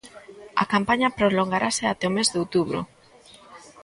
A campaña prolongarase até o mes de outubro.